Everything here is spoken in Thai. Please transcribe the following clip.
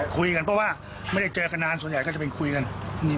กลายกับมาจิ้งตรงนี้